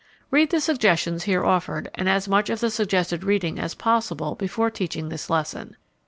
Read the suggestions here offered and as much of the suggested reading as possible before teaching this lesson.